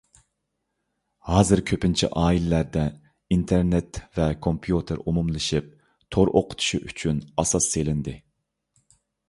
ھازىر كۆپىنچە ئائىلىلەردە ئىنتېرنېت ۋە كومپيۇتېر ئومۇملىشىپ، تور ئوقۇتۇشى ئۈچۈن ئاساس سېلىندى.